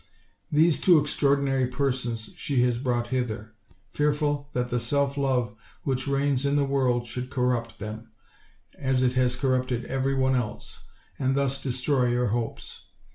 These two extraordinary persons she has brought hither, fearful that the self love which reigns in the world should corrupt them, as it has corrupted every one else, and thus destroy your hopes.